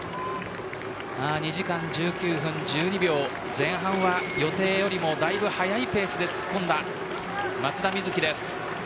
２時間１９分１２秒前半は予定よりだいぶ速いペースで突っ込んだ松田瑞生です。